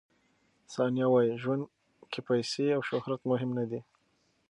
ثانیه وايي، ژوند کې پیسې او شهرت مهم نه دي.